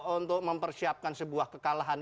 untuk mempersiapkan sebuah kekalahan